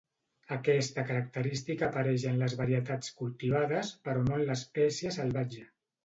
Aquesta característica apareix en les varietats cultivades però no en l'espècie salvatge.